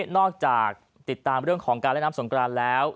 นอกจากติดตามเรื่องของการเล่นน้ำสงกรานแล้ว